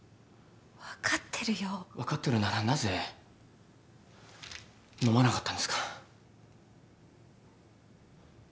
分かってるならなぜ飲まなかったんですか？